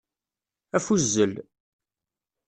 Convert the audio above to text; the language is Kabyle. Afuzzel.